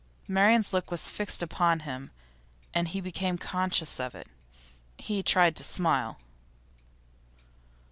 Marian's look was fixed upon him, and he became conscious of it. He tried to smile.